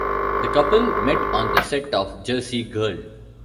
The couple met on the set of "Jersey Girl".